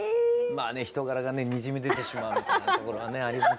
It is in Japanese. まあね人柄がねにじみ出てしまうみたいなところがねあります。